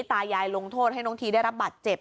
ตายายลงโทษให้น้องทีได้รับบัตรเจ็บ